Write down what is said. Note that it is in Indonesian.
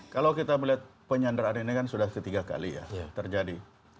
kalau kita melihat penyanderaan ini kan sudah ketiga kali ya terjadi